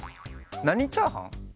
なにチャーハン？